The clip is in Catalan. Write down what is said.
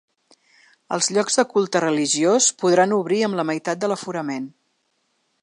Els llocs de culte religiós podran obrir amb la meitat de l’aforament.